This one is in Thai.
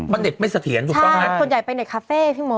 มันเห็บไม่เสถียรถูกต้องไหมส่วนใหญ่เป็นเด็กคาเฟ่พี่มด